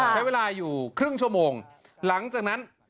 ใช้เวลาอยู่ครึ่งชั่วโมงหลังจากนั้น